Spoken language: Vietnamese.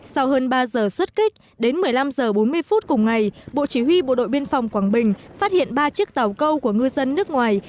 sau hơn ba giờ xuất kích đến một mươi năm h bốn mươi phút cùng ngày bộ chỉ huy bộ đội biên phòng quảng bình phát hiện ba chiếc tàu câu của ngư dân nước ngoài